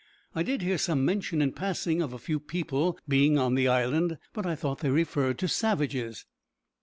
I did hear some mention in passing of a few people being on the island, but I thought they referred to savages."